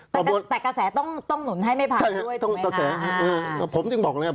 แต่กระแสต้องหนุนให้ไม่ผ่านด้วยถูกไหมคะ